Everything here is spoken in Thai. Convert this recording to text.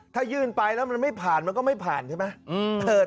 ถ้ายื่นไปแล้วมันไม่ผ่านมันก็ไม่ผ่านใช่ไหม